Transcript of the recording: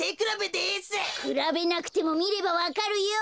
くらべなくてもみればわかるよ！